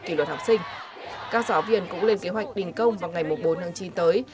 các giáo viên cũng lên kế hoạch đình công vào ngày một mươi bốn tháng chín tới